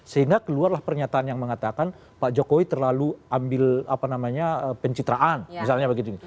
sehingga keluarlah pernyataan yang mengatakan pak jokowi terlalu ambil apa namanya pencitraan misalnya begitu